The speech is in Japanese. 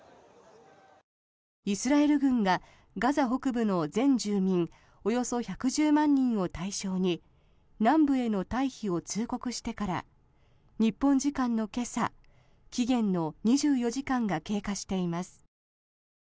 イスラエル軍がガザ北部の全住民およそ１１０万人を対象に南部への退避を通告してから日本時間の今朝期限の２４時間が経過しています。